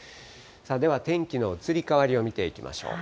では天気の移り変わりを見ていきましょう。